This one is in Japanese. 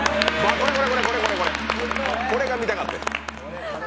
これこれこれ、これが見たかってん。